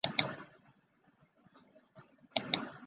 唐贞观八年改龙丘县。